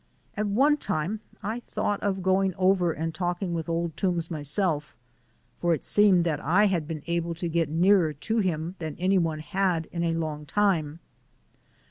At one time I thought of going over and talking with Old Toombs myself, for it seemed that I had been able to get nearer to him than any one had in a long time.